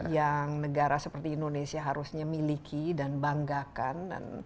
yang negara seperti indonesia harusnya miliki dan banggakan